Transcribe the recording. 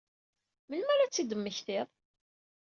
Melmi ara ad tt-id-temmektiḍ?